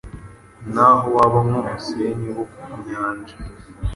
naho waba nk’umusenyi wo ku nyanja,